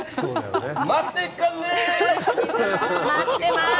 待ってんかんね。